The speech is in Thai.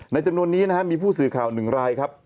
จำนวนนี้นะครับมีผู้สื่อข่าวหนึ่งรายครับ